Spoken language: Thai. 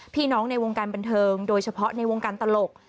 พี่น้องในวงการบันเทิงโดยเฉพาะในวงการตลก